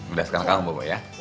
udah sekarang kamu ya